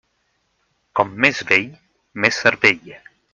Com més vell, més cervell.